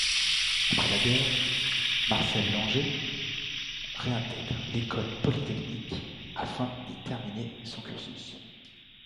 Après la guerre, Marcel Langer réintègre l'école polytechnique afin d'y terminer son cursus.